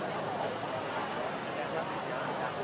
ยิงลำ